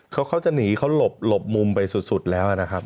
เขาเขาจะหนีเขาหลบมุมไปสุดแล้วนะครับ